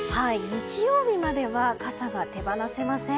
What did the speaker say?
日曜日までは傘が手放せません。